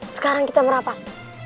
sekarang kita merapat